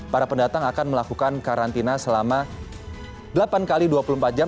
para pendatang akan melakukan karantina selama delapan x dua puluh empat jam